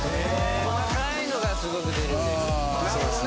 細かいのがすごく出るんです。